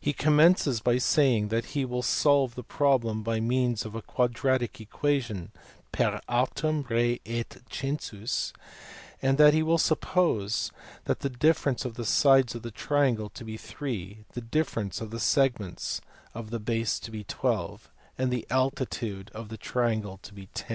He commences by saying that he will solve the problem by means of a quadratic equa tion (per artem rei et census); and that he will suppose the difference of the sides of the triangle to be 3, the difference of tlif segments of the base to be 12, and the altitude of the 208 THE MATHEMATICS OF THE RENAISSANCE. triangle to be 10.